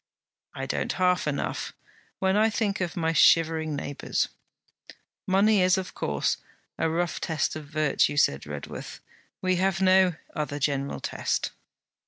'I don't half enough, when I think of my shivering neighbours.' 'Money is of course a rough test of virtue,' said Redworth. 'We have no other general test.'